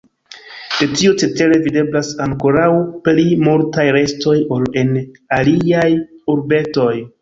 De tio cetere videblas ankoraŭ pli multaj restoj ol en aliaj urbetoj.